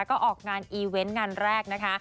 ก็ออกงานอีเวนต์งานแรกนะคะ